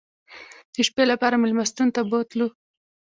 د شپې لپاره مېلمستون ته بوتلو.